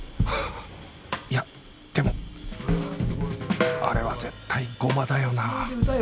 いやでもあれは絶対ゴマだよなあ